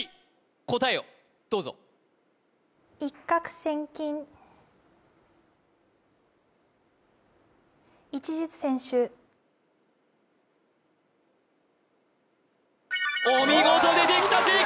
答えをどうぞお見事出てきた正解！